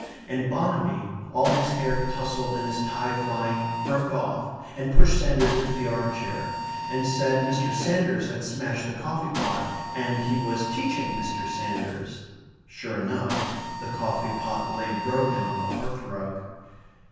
And Bonamy, all his hair touzled and his tie flying, broke off, and pushed Sanders into the arm chair, and said Mr. Sanders had smashed the coffee pot and he was teaching Mr. Sanders Sure enough, the coffee pot lay broken on the hearthrug.